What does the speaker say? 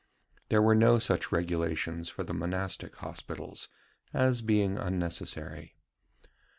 There were no such regulations for the monastic hospitals, as being unnecessary.